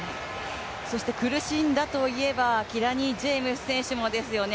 苦しんだといえば、キラニ・ジェームズ選手もですよね。